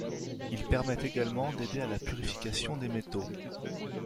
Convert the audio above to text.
Ils permettent également d'aider à la purification des métaux.